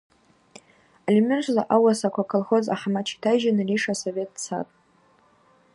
Алимырза ауасаква аколхоз ахӏамач йтайжьын, рейша асовет дцатӏ.